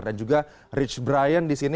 dan juga rich brian di sini